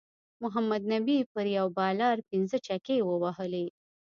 محمد نبی پر یو بالر پنځه چکی ووهلی